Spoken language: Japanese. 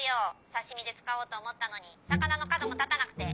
刺し身で使おうと思ったのに魚の角も立たなくて。